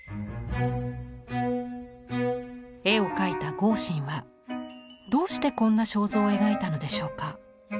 絵を描いた豪信はどうしてこんな肖像を描いたのでしょうか。